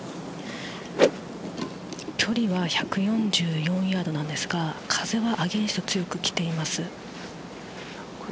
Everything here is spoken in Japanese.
距離は１４４ヤードなんですが風はアゲインスト強くきています。